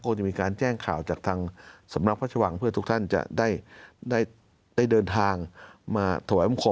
ก็จะมีการแจ้งข่าวจากทางสำนักพระชวังเพื่อทุกท่านจะได้เดินทางมาถวายบังคม